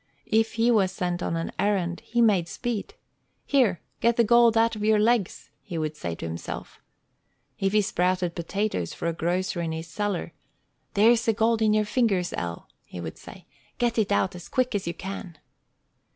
If he was sent on an errand, he made speed. "Here! get the gold out of your legs," he would say to himself. If he sprouted potatoes for a grocer in his cellar, "There's gold in your fingers, El," he would say. "Get it out as quick as you can."